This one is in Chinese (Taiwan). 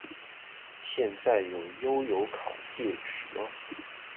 現在有悠遊卡戒指嗎？